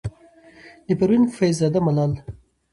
د پروين فيض زاده ملال،